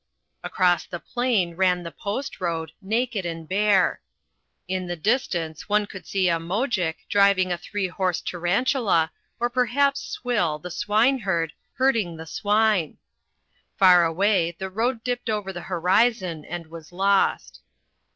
Across the plain ran the post road, naked and bare. In the distance one could see a moujik driving a three horse tarantula, or perhaps Swill, the swine herd, herding the swine. Far away the road dipped over the horizon and was lost.